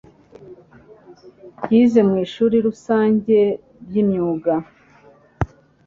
Yize mu ishuri rusange ryimyuga .